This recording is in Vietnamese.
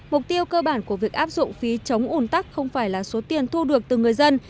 mục tiêu cơ bản của việc áp dụng phí chống ủn tắc không phải là số tiền thu được từ người dân